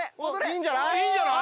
いいんじゃない？